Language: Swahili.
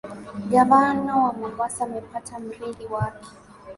Gavana wa Mombasa amepata mrithi wake.